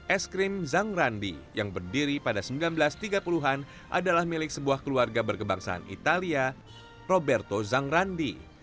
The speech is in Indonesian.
es krim zangrandi yang berdiri pada seribu sembilan ratus tiga puluh an adalah milik sebuah keluarga berkebangsaan italia roberto zangrandi